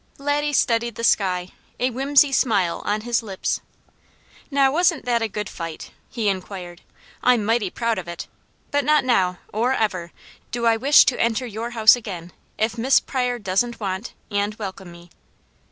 Laddie studied the sky, a whimsy smile on his lips. "Now wasn't that a good fight?" he inquired. "I'm mighty proud of it! But not now, or ever, do I wish to enter your house again, if Miss Pryor doesn't want, and welcome me."